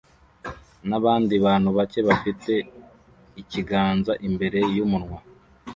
nabandi bantu bake bafite ikiganza imbere yumunwa